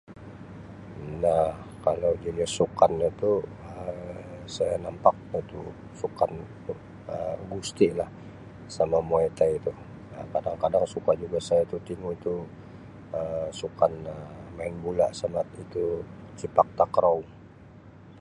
Nah kalau jenis sukan itu Um saya nampak bah tu sukan Um gusti lah sama muay thai tu kadang-kadang suka juga saya tu tingu itu Um sukan Um main bola sama itu sepak takraw.